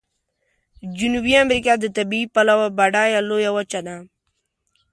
جنوبي امریکا د طبیعي پلوه بډایه لویه وچه ده.